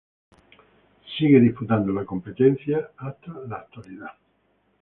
Sigue disputando la competencia hasta la actualidad.